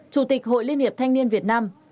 chủ tịch hội liên hiệp thanh niên việt nam